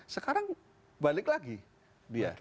sekarang balik lagi dia